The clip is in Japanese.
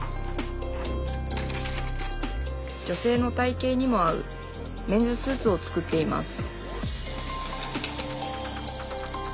女性の体形にも合うメンズスーツを作っています